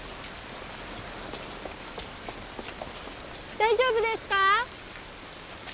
大丈夫ですか？